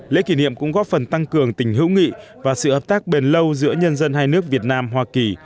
lễ kỷ niệm cũng góp phần tăng cường tình hữu nghị và sự hợp tác bền lâu giữa nhân dân hai nước việt nam hoa kỳ